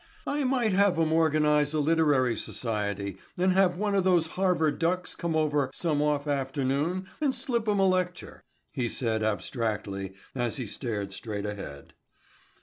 "I might have 'em organize a literary society and have one of those Harvard ducks come over some off afternoon and slip 'em a lecture," he said abstractedly as he stared straight ahead.